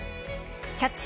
「キャッチ！